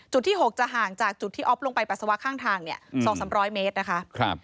ที่๖จะห่างจากจุดที่อ๊อฟลงไปปัสสาวะข้างทางเนี่ย๒๓๐๐เมตรนะคะ